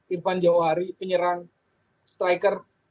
irfan jawahari penyerang striker